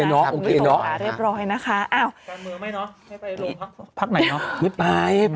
ดูเร็วมาจริง